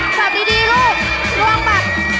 ตัดดีดีลูกระวังตัด